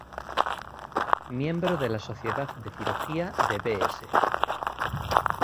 Miembro de la Sociedad de Cirugía de Bs.